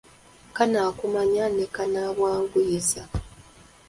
Kannakumanya ne kannabwanguyiza